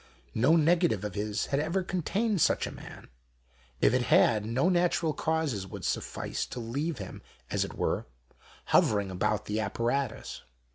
No negative of his had ever contained such a man ; if it had, no natural causes would' suffice to leave him, as it were, hovering about the apparatus.